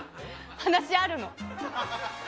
話があるの？